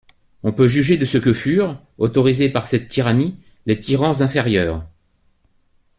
On peut juger de ce que furent (autorisés par cette tyrannie) les tyrans inférieurs.